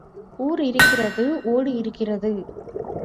ஊர் இருக்கிறது ஓடு இருக்கிறது.